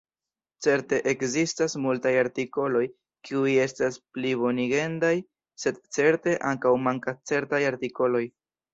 Certe ekzistas multaj artikoloj kiuj estas plibonigendaj, sed certe ankaŭ mankas certaj artikoloj.